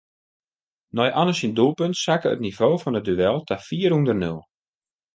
Nei Anne syn doelpunt sakke it nivo fan it duel ta fier ûnder nul.